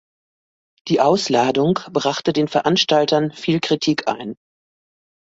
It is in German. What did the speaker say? Die Ausladung brachte den Veranstaltern viel Kritik ein.